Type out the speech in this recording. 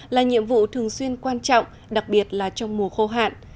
là nhiệm vụ thường xuyên quan trọng đặc biệt là trong mùa khô hạn